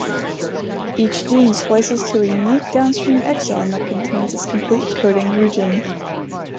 Each gene splices to a unique downstream exon that contains its complete coding region.